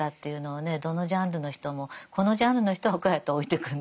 どのジャンルの人もこのジャンルの人はこうやって老いてくんだ。